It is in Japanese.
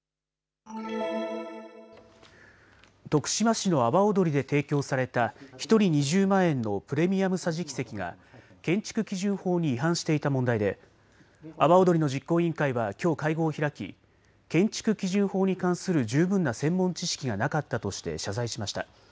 徳島市の阿波おどりで提供された１人２０万円のプレミアム桟敷席が建築基準法に違反していた問題で阿波おどりの実行委員会はきょう、会合を開き建築基準法に関する十分な専門知識がなかったとして謝罪しました。